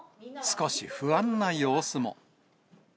少し不安な様子も。